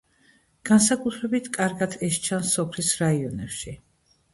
განსაკუთრებით კარგად ეს სჩანს სოფლის რაიონებში.